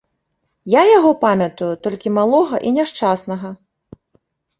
Я яго памятаю толькі малога і няшчаснага.